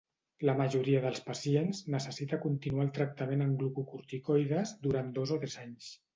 La majoria dels pacients necessita continuar el tractament amb glucocorticoides durant dos o tres anys.